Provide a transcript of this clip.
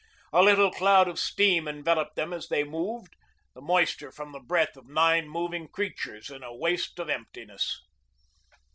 A little cloud of steam enveloped them as they moved, the moisture from the breath of nine moving creatures in a waste of emptiness.